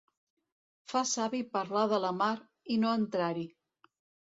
Fa savi parlar de la mar i no entrar-hi.